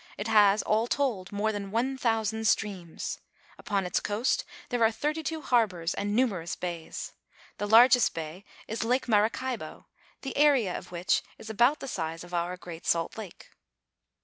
It has, all told, more than one thousand streams. Upon its coast there are thirty two harbors and numerous bays. The largest bay is Lake Maracaibo, the area of which is about the size of our Great Salt Lake.